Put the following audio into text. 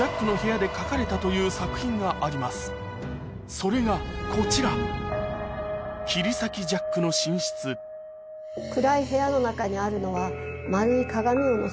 それがこちら暗い部屋の中にあるのは。